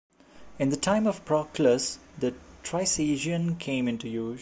In the time of Proclus the Trisagion came into use.